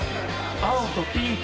青とピンク。